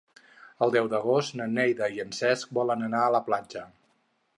El deu d'agost na Neida i en Cesc volen anar a la platja.